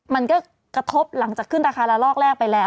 มันก็กระทบหลังจากขึ้นราคาละลอกแรกไปแล้ว